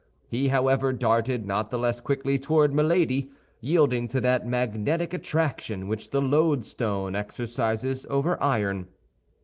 He, however, darted not the less quickly toward Milady, yielding to that magnetic attraction which the loadstone exercises over iron.